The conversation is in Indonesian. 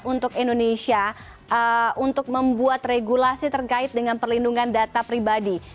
untuk indonesia untuk membuat regulasi terkait dengan perlindungan data pribadi